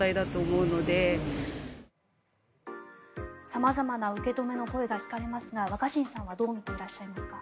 様々な受け止めの声が聞かれますが若新さんはどう見ていらっしゃいますか？